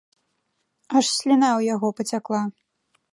Аж сліна ў яго пацякла.